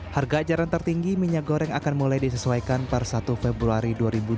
harga ajaran tertinggi minyak goreng akan mulai disesuaikan per satu februari dua ribu dua puluh